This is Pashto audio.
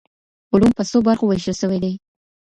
علوم په څو برخو ویشل سوي دي؟